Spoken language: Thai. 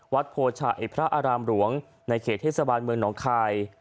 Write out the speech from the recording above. วัดโพชัยพระอารามหลวงในเขตเทศบาลเมืองน้องคาย